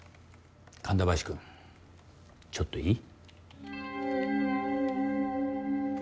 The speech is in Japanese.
神田林君ちょっといい？